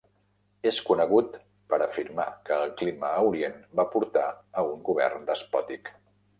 És conegut per afirmar que el clima a Orient va portar a un govern despòtic.